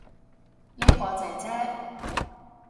呢個姐姐